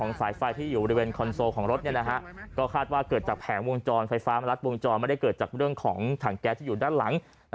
นะฮะก็คาดว่าเกิดจากแผงวงจรไฟฟ้ามารับวงจรไม่ได้เกิดจากเรื่องของถังแก๊สที่อยู่ด้านหลัง